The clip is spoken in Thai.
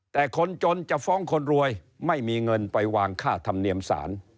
แต่คนจนจะฟ้องคนรวยไม่มีเงินไปวางค่าธรรมเนียมศาล